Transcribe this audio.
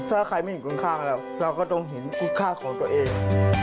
ถ้าใครไม่เห็นคุณค่าของเราเราก็ต้องเห็นคุณค่าของตัวเอง